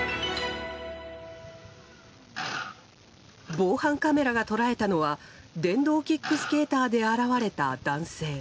防犯カメラが捉えたのは電動キックスケーターで現れた男性。